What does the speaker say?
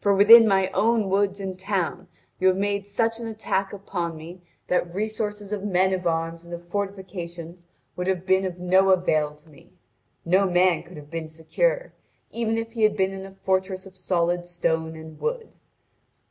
For within my own woods and town you have made such an attack upon me that resources of men of arms and of fortifications would have been of no avail to me; no man could have been secure, even if he had been in a fortress of solid stone and wood.